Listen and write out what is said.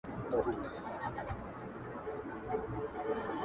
• التفات دي د نظر نظر بازي کوي نیاز بیني..